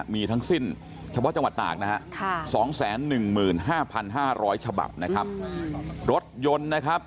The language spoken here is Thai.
มีทั้งสิ้นเฉพาะจังหวัดตากนะฮะ๒๑๕๕๐๐ฉบับนะครับรถยนต์นะครับ